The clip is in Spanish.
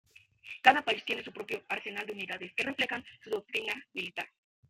Cada país tiene su propio arsenal de unidades que refleja su doctrina militar.